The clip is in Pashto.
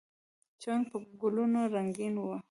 چمن په ګلونو رنګین و.